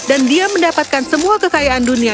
dan dia mendapatkan semua kekayaan dunia